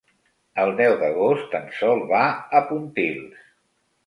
El deu d'agost en Sol va a Pontils.